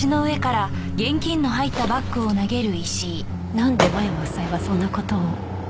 なんで間山夫妻はそんな事を？